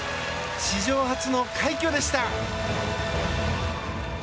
史上初の快挙でした。